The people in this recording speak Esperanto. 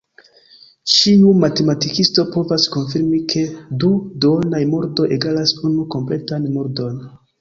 Ĉiu matematikisto povas konfirmi ke du duonaj murdoj egalas unu kompletan murdon.